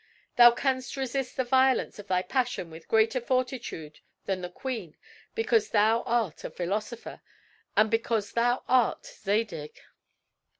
Thou canst resist the violence of thy passion with greater fortitude than the queen because thou art a philosopher, and because thou art Zadig.